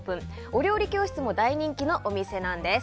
お料理教室も大人気のお店なんです。